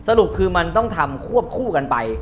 สรุปคือมันต้องทำควบคู่กันไป